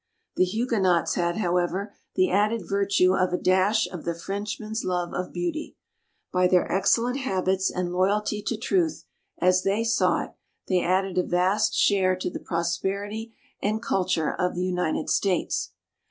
The Huguenots had, however, the added virtue of a dash of the Frenchman's love of beauty. By their excellent habits and loyalty to truth, as they saw it, they added a vast share to the prosperity and culture of the United States.